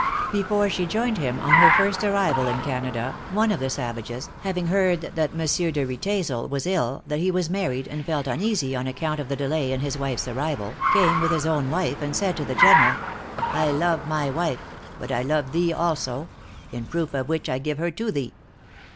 Before she joined him on her first arrival in Canada, one of the savages, having heard that M. de Riedesel was ill, that he was married, and felt uneasy on account of the delay in his wife's arrival, came with his own wife, and said to the General; "I love my wife but I love thee also; in proof of which I give her to thee."